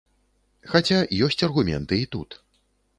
Хаця ёсць аргументы і тут.